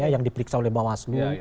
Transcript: yang diperiksa oleh bawaslu